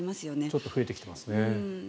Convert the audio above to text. ちょっと増えてきていますよね。